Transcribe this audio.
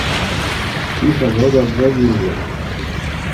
"Cicha woda brzegi rwie."